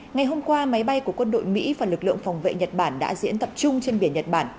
ngày hôm qua máy bay của quân đội mỹ và lực lượng phòng vệ nhật bản đã diễn tập trung trên biển nhật bản